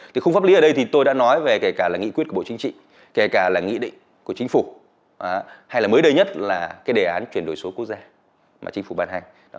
cái khung pháp lý ở đây thì tôi đã nói về kể cả là nghị quyết của bộ chính trị kể cả là nghị định của chính phủ hay là mới đây nhất là cái đề án chuyển đổi số quốc gia mà chính phủ bàn hành